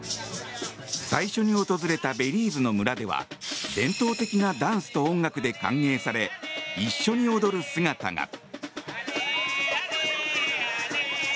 最初に訪れたベリーズの村では伝統的なダンスと音楽で歓迎され一緒に踊る姿が。